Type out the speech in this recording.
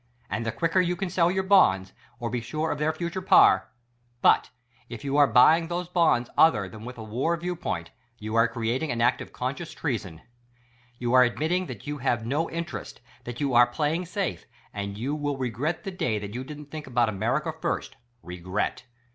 And the quicker you can sell your Bonds, or be sure of their future par ; but I if you are buying those Bonds other than with a WAR viewpoint, you are creating an act of conscientious treason; you are admitting that you have no interest; that you are playing i&af e ; and you will regret the day that you didn't think about America first — regret